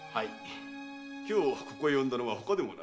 今日ここへ呼んだのはほかでもない。